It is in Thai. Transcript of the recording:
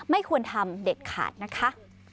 ไม่ควรทำเด็ดขาดนะคะ